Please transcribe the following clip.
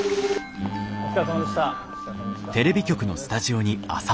お疲れさまでした。